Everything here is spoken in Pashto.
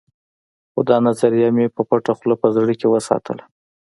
خو دا نظريه مې په پټه خوله په زړه کې وساتله.